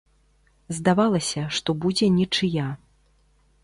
Здавалася, што будзе нічыя.